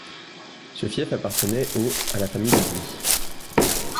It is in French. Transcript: Ce fief appartenait au à la famille de Buy.